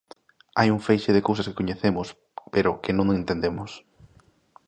Hai un feixe de cousas que coñecemos pero que non entendemos.